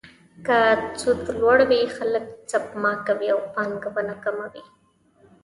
که سود لوړ وي، خلک سپما کوي او پانګونه کمه وي.